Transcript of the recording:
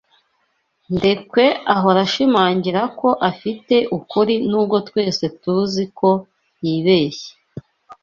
Ndekwe ahora ashimangira ko afite ukuri nubwo twese tuzi ko yibeshye.